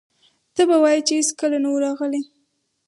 ته به وایې چې هېڅکله نه و راغلي.